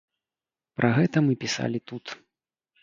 Пра гэта мы пісалі тут.